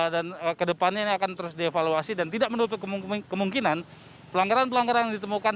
dan ke depannya ini akan terus dievaluasi dan tidak menutup kemungkinan pelanggaran pelanggaran yang ditemukan